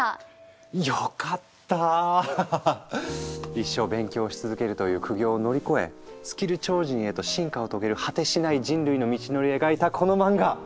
一生勉強し続けるという苦行を乗り越えスキル超人へと進化を遂げる果てしない人類の道のりを描いたこの漫画！